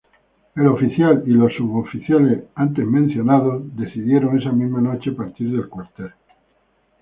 El oficial y suboficiales mencionados antes decidieron esa misma noche partir del cuartel.